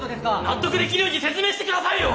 ・納得できるように説明してくださいよ！